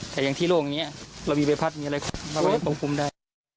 แต่อย่างที่โลกนี้เรามีใบพัดมีอะไรเราก็ยังควบคุมได้